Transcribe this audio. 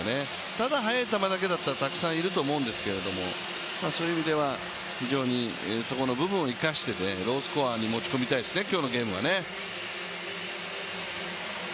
ただ速い球だけだったらたくさんいると思うんでけどそういう意味では、そこの部分を非常に生かして、ロースコアに持ち込みたいですね、今日のゲームは。